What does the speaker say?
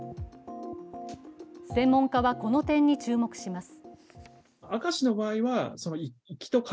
専門家は、この点に注目します。